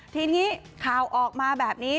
ทีนี้ข่าวออกมาแบบนี้